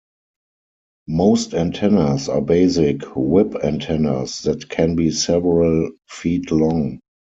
Most antennas are basic "whip" antennas that can be several feet long.